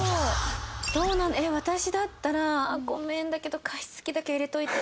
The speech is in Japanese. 私だったら「ごめんだけど加湿機だけ入れておいて」